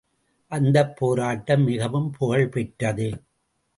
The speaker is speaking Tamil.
அந்தப் போராட்டம் மிகவும் புகழ் பெற்றது.